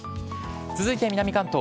続いて南関東。